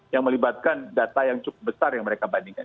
yang melibatkan data yang cukup besar yang mereka bandingkan